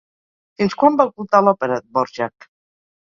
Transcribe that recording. Fins quan va ocultar l'òpera Dvořák?